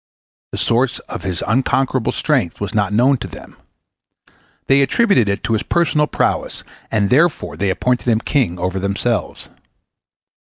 The source of his unconquerable strength was not known to them. They attributed it to his personal prowess, and therefore they appointed him king over themselves.